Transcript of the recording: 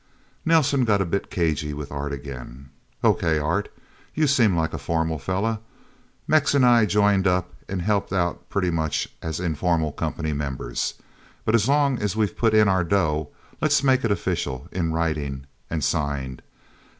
Nelsen got a bit cagy with Art, again. "Okay, Art you seem like a formal fella. Mex and I joined up and helped out pretty much as informal company members. But as long as we've put in our dough, let's make it official, in writing and signed.